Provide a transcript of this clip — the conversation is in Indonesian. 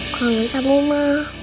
kangen sama mama